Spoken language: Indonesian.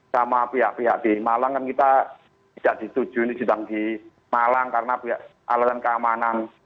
sama pihak pihak di malang kan kita tidak dituju ini sidang di malang karena alasan keamanan